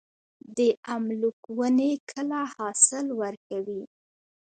د املوک ونې کله حاصل ورکوي؟